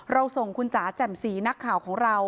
ส่งคุณจ๋าแจ่มสีนักข่าวของเรา